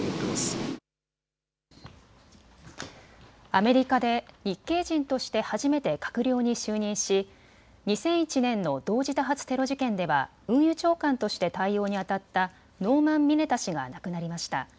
アメリカで日系人として初めて閣僚に就任し２００１年の同時多発テロ事件では運輸長官として対応にあたったノーマン・ミネタ氏が亡くなりました。